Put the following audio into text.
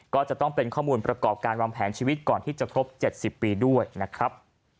ก็จะต้องเป็นข้อมูลประกอบการวางแผนชีวิตก่อนที่จะครบ๗๐ปีด้วยนะครับ